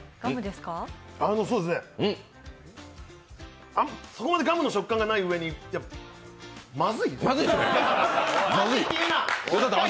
そうですね、そこまでガムの食感がないうえに、いやまずいだって味